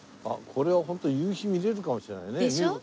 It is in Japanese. これはホント夕日見れるかもしれないね。